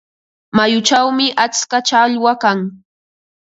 Mayuchawmi atska challwa kan.